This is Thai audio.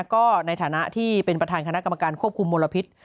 ก็ในฐานะที่เป็นประธานคณะกรรมการควบคุมมลพิษ